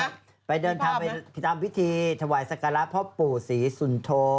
มีภาพมั้ยไปเดินทางไปตามพิธีถวายศักราชพ่อปู่ศรีสุนโท